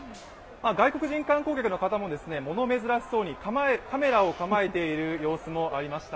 外国人観光客の方も物珍しそうにカメラを構えている様子もありました。